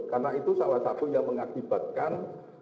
karena itu salah satu yang mengakibatkan